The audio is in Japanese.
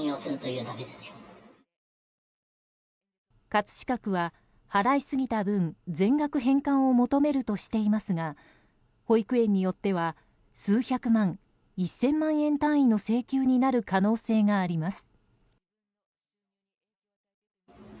葛飾区は払い過ぎた分全額返還を求めるとしていますが保育園によっては数百万、１０００万円単位の請求になる可能性があります。